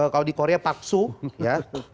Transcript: kalau di korea paksu ya